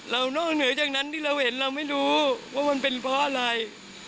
นอกเหนือจากนั้นที่เราเห็นเราไม่รู้ว่ามันเป็นเพราะอะไร